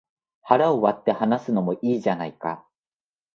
腹を割って話すのもいいじゃないか